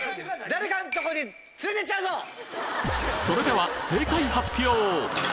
それでは正解発表！